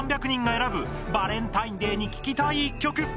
３００人が選ぶバレンタインデーに聴きたい一曲。